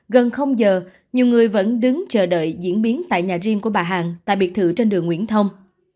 gần giờ nhiều người vẫn đứng chờ đợi diễn biến tại nhà riêng của bà hằng tại biệt thự trên đường nguyễn thông